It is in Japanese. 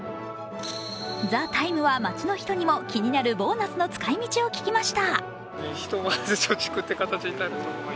「ＴＨＥＴＩＭＥ，」は街の人にも気になるボーナスの使い道を聞きました。